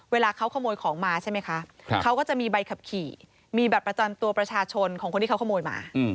เวลาเขาขโมยของมาใช่ไหมคะเขาก็จะมีใบขับขี่มีบัตรประจำตัวประชาชนของคนที่เขาขโมยมา